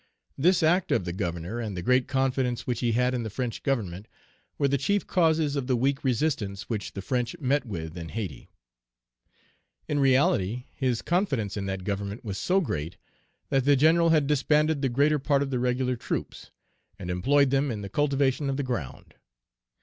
This act of the Governor, and the great confidence which he had in the French Government, were the chief causes of the weak resistance which the French met with in Hayti. In reality, his confidence in that Government was so great, that the General had disbanded the greater part of the regular troops, and employed them in the cultivation of the ground.